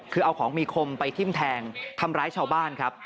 คือเอาของมีคมไปทิ้มแทงทำร้ายชาวบ้านครับ